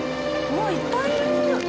うわいっぱいいる！